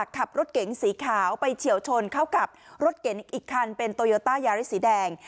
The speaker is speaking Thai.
ขับรถเก๋งสีขาวไปเฉียวชนเข้ากับรถเก๋งอีกคันเป็นโตโยต้ายาริสสีแดง